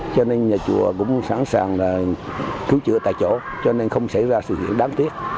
cho nên nhà chùa cũng sẵn sàng cứu chữa tại chỗ cho nên không xảy ra sự hiện đáng tiếc